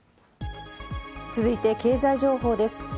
続いて経済情報です。